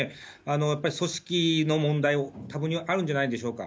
やっぱり組織の問題、たぶんにあるんじゃないでしょうか。